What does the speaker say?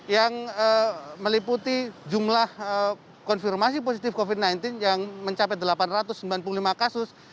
yang meliputi jumlah konfirmasi positif covid sembilan belas yang mencapai delapan ratus sembilan puluh lima kasus